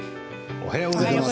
おはようございます。